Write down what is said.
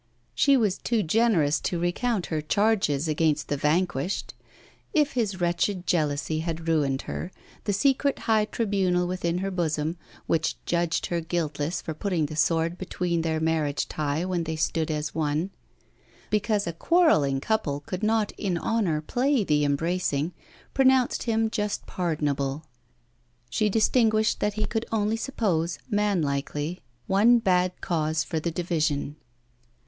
She was too generous to recount her charges against the vanquished. If his wretched jealousy had ruined her, the secret high tribunal within her bosom, which judged her guiltless for putting the sword between their marriage tie when they stood as one, because a quarrelling couple could not in honour play the embracing, pronounced him just pardonable. She distinguished that he could only suppose, manlikely, one bad cause for the division.